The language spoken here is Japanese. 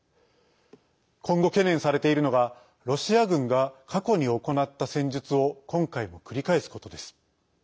今後、懸念されているのがロシア軍が過去に行った戦術を今回も繰り返すことです。